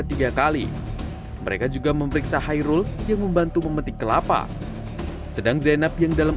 tiga kali mereka juga memeriksa hairul yang membantu memetik kelapa sedang zainab yang dalam